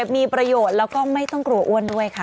มีประโยชน์แล้วก็ไม่ต้องกลัวอ้วนด้วยค่ะ